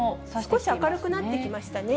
少し明るくなってきましたね。